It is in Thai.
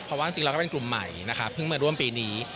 เพราะว่าจริงแล้วก็เป็นกลุ่มใหม่นะคะเพิ่งมาร่วมปีนี้